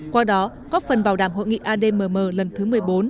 qua đó góp phần vào đàm hội nghị admm lần thứ một mươi bốn